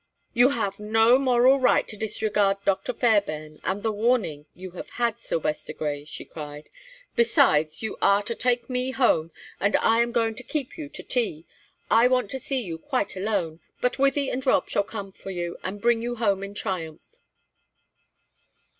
"You have no moral right to disregard Dr. Fairbairn, and the warning you have had, Sylvester Grey," she cried. "Besides, you are to take me home, and I am going to keep you to tea. I want to see you quite alone, but Wythie and Rob shall come for you, and bring you home in triumph."